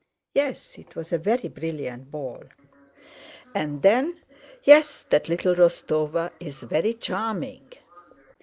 "Yes, it was a very brilliant ball," and then... "Yes, that little Rostóva is very charming.